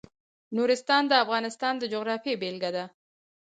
نورستان د افغانستان د جغرافیې بېلګه ده.